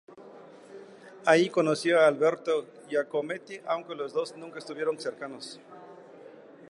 Allí conoció a Alberto Giacometti, aunque los dos nunca estuvieron cercanos.